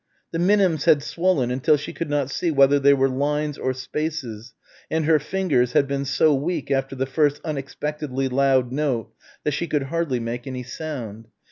The minims had swollen until she could not see whether they were lines or spaces, and her fingers had been so weak after the first unexpectedly loud note that she could hardly make any sound.